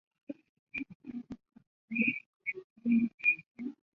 瓦尔斯莱本是德国勃兰登堡州的一个市镇。